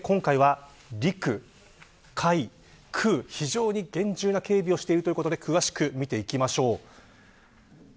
そして今回は陸、海、空非常に厳重な警備をされているということで詳しく見ていきましょう。